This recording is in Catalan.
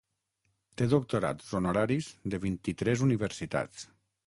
Té doctorats honoraris de vint-i-tres universitats.